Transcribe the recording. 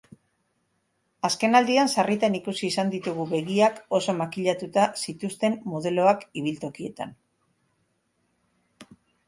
Azkenaldian sarritan ikusi izan ditugu begiak oso makillatuta zituzten modeloak ibiltokietan.